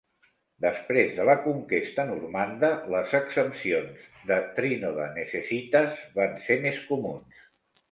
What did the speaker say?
Després de la conquesta normanda, les exempcions de "trinoda necessitas" van ser més comuns.